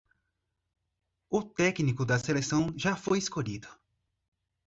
O técnico da seleção já foi escolhido